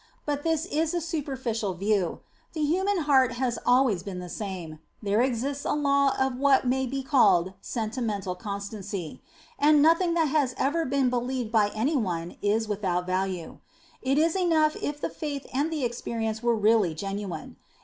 But this is a superficial view. The human heart is always the same : there exists a law of what may be called sentimental constancy. And nothing that has ever been believed by anybody is without value. It is enough if the faith and the experience were really genuine.